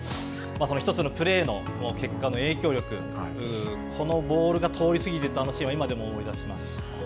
その１つのプレーの結果の影響力、このボールが通り過ぎていったあのシーンは、今でも思い出します。